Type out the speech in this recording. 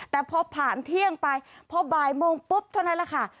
แต่พอผ่านเที่ยงไปพอบ่ายโมงปุ๊บเท่านั้นแหละค่ะ